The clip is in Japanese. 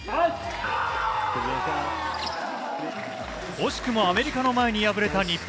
惜しくもアメリカの前に敗れた日本。